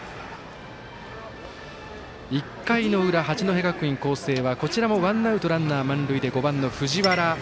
１回の裏、八戸学院光星はこちらもワンアウト、ランナー、満塁で５番の藤原。